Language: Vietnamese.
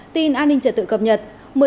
tin an ninh trợ tự cập nhật